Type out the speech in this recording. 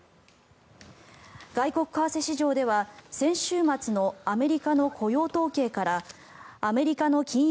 外国為替市場では先週末のアメリカの雇用統計からアメリカの金融